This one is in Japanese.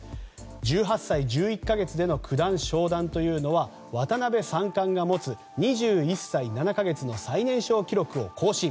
１８歳１１か月での九段昇段というのは渡辺三冠が持つ、２１歳７か月の最年少記録を更新。